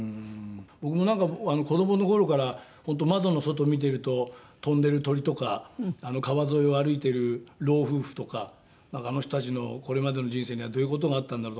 僕もなんか子どもの頃から本当窓の外を見てると飛んでる鳥とか川沿いを歩いてる老夫婦とかあの人たちのこれまでの人生にはどういう事があったんだろうとか。